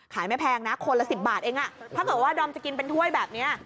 ไม่แพงนะคนละ๑๐บาทเองถ้าเกิดว่าดอมจะกินเป็นถ้วยแบบนี้